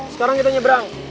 sekarang kita nyebrang